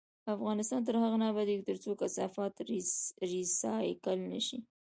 افغانستان تر هغو نه ابادیږي، ترڅو کثافات ریسایکل نشي.